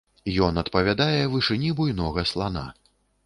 Ён адпавядае вышыні буйнога слана.